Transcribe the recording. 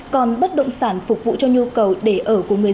còn bất động sản phục vụ cho nhu cầu để ở của người dân